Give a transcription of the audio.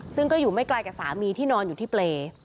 ซึ่งก็อยู่ไม่ไกลกับสามีที่นอนอยู่ที่เปรย์